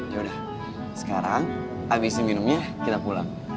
yaudah sekarang habisin minumnya kita pulang